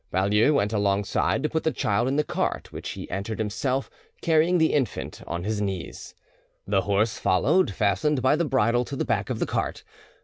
Baulieu went alongside to put the child in the cart, which he entered himself, carrying the infant on his knees. The horse followed, fastened by the bridle to the back of the cart.